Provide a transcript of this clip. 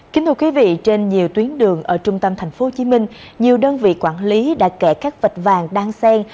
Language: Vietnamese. kính thưa quý vị trên nhiều tuyến đường ở trung tâm tp hcm nhiều đơn vị quản lý đã kẻ các vạch vàng đan sen